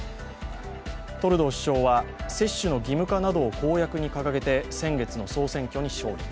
トルドー首相は、接種の義務化などを公約に掲げて先月の総選挙に勝利。